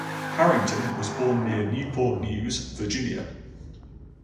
Harrington was born near Newport News, Virginia.